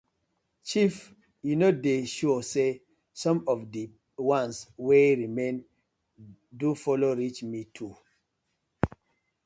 Chief yu no dey sure say som of di ones wey remain do follow reach me too.